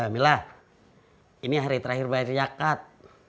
mila ini hari terakhir bayar zakat